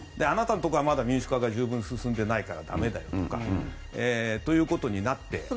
あなたのところはまだ民主化が進んでいないから駄目だよとかということになって。